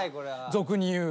俗に言う。